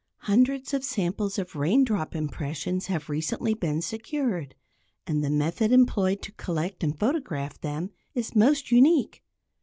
Hundreds of samples of raindrop impressions have recently been secured, and the method employed to collect and photograph them is most unique.